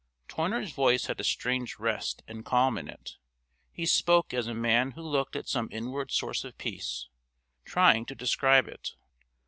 Toyner's voice had a strange rest and calm in it. He spoke as a man who looked at some inward source of peace, trying to describe it.